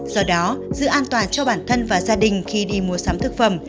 do đó giữ an toàn cho bản thân và gia đình khi đi mua sắm thực phẩm